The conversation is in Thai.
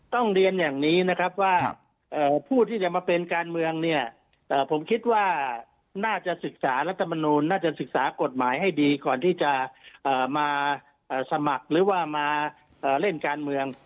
ต้องเรียนอย่างนี้นะครับว่าผู้ที่จะมาเป็นการเมืองเนี่ยผมคิดว่าน่าจะศึกษารัฐมนูลน่าจะศึกษากฎหมายให้ดีก่อนที่จะมาสมัครหรือว่ามาเล่นการเมือง